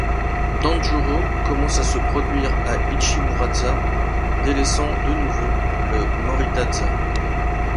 Danjūrō commence à se produire au Ichimura-za, délaissant de nouveau le Morita-za.